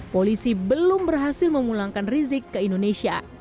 polisi belum berhasil memulangkan rizik ke indonesia